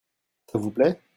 Ça vous plait ?